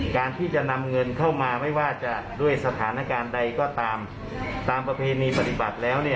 การที่จะนำเงินเข้ามาไม่ว่าจะด้วยสถานการณ์ใดก็ตามตามประเพณีปฏิบัติแล้วเนี่ย